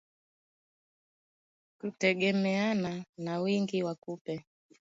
Kutegemeana na wingi wa kupe